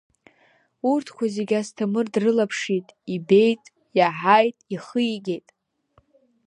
Урҭқәа зегьы Асҭамыр дрылаԥшит ибеит, иаҳаит, ихигеит.